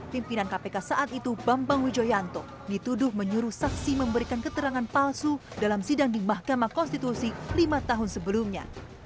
pimpinan kpk saat itu bambang wijoyanto dituduh menyuruh saksi memberikan keterangan palsu dalam sidang di mahkamah konstitusi lima tahun sebelumnya